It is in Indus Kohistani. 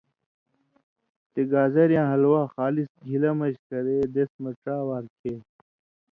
چے گازریۡیاں حلوا خالص گھِلہ مژ کرے دیس مہ ڇا وار کھے۔